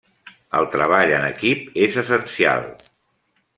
El treball en equip és essencial.